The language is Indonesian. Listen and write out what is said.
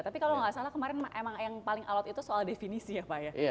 tapi kalau nggak salah kemarin emang yang paling alot itu soal definisi ya pak ya